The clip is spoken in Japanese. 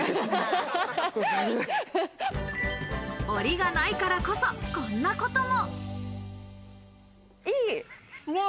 檻がないからこそ、こんなことも。